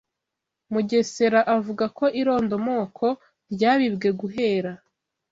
Mugesera avuga ko irondomoko ryabibwe guhera